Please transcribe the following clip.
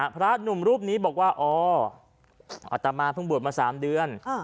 พระหนุ่มรูปนี้บอกว่าอ๋ออัตมาเพิ่งบวชมา๓เดือน